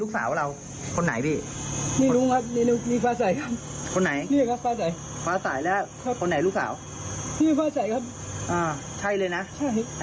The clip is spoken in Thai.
เขาบอกว่าเขาร้องไห้เลยอ่ะ